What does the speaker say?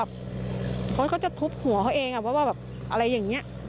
เขาก็จะทวยหัวเขาเองว่าอะไรอย่างนี้